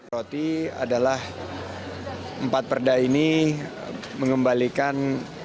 roti adalah empat perda ini mengembalikan